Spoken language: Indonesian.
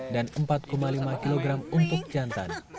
dan empat lima kg untuk jantan